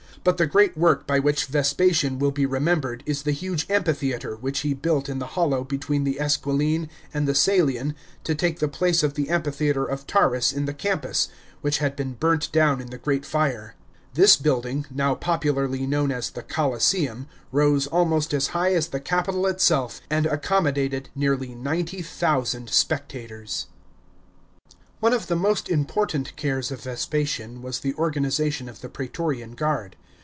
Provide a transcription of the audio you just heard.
But the great work by which Vespasian will be remembered is the huge amphitheatre which he built in the hollow between the Esquiline and the Caelian to take the place of the amphitheatre of Taurus in the Campus, which had been burnt down in the great fire. This building, now popularly known as * Si avaritia abesaet, antiquis ducibus par (Tacitus) 380 THE FLAVIAN EMPEKOES. CHAP. XXL the Colosseum, rose almost as high as the Capitol itself, and ac commodated nearly ninety thousand spectators.* § 7. One of the most important cares of Vespasian was the organisation of the praetorian guard.